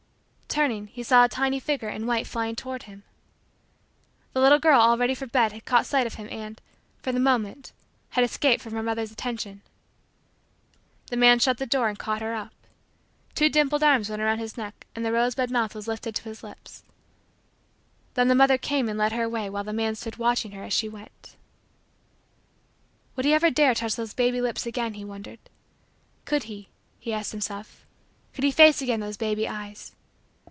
Turning, he saw a tiny figure in white flying toward him. The little girl, all ready for bed, had caught sight of him and, for the moment, had escaped from her mother's attention. The man shut the door and caught her up. Two dimpled arms went around his neck and the rosebud mouth was lifted to his lips. Then the mother came and led her away while the man stood watching her as she went. Would he ever dare touch those baby lips again he wondered. Could he, he asked himself, could he face again those baby eyes?